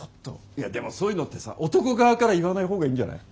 いやでもそういうのってさ男側から言わない方がいいんじゃない？